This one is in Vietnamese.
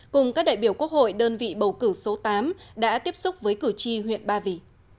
cùng các đại biểu quốc hội đơn vị bầu cử số tám đã tiếp xúc với cử tri huyện ba vì